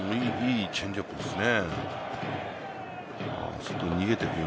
いいチェンジアップですね。